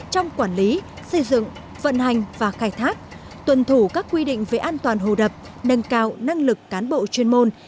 trong quản lý xây dựng vận hành và khai thác tuần thủ các quy định về an toàn hồ đập nâng cao năng lực cán bộ chuyên môn